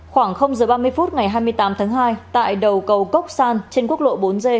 khoảng giờ ba mươi phút ngày hai mươi tám tháng hai tại đầu cầu cốc san trên quốc lộ bốn g